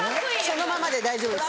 そのままで大丈夫です。